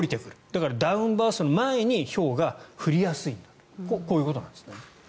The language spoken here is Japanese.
だからダウンバーストの前にひょうが降りやすいんだということなんですね。